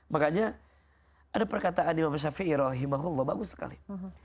makanya ada perkataan imam shafi'i rahimahullah bagus sekali